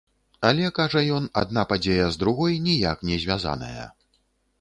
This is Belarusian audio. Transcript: Але, кажа ён, адна падзея з другой ніяк не звязаная.